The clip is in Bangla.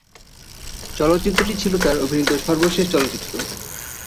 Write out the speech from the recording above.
চলচ্চিত্রটি ছিল তার অভিনীত সর্বশেষ চলচ্চিত্র।